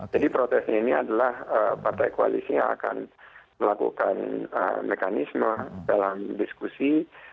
jadi proses ini adalah partai koalisi yang akan melakukan mekanisme dalam diskusi